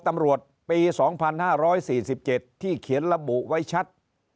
พรตำรวจปี๒๕๔๗ลที่เขียนระบุไว้ชัด